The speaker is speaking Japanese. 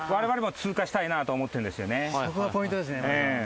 そこがポイントですね。